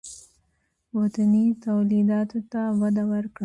وطني تولیداتو ته وده ورکړئ